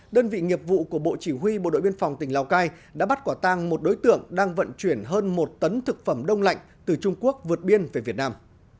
đơn vị nghiệp vụ của bộ chỉ huy bộ đội biên phòng tỉnh lào cai đã bắt quả tang một đối tượng đang vận chuyển hơn một tấn thực phẩm đông lạnh từ trung quốc vượt biên về việt nam